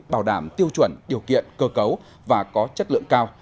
bảo đảm tiêu chuẩn điều kiện cơ cấu và có chất lượng cao